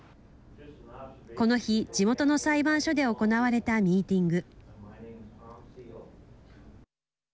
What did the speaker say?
この日、地元の裁判所で行われたミーティング。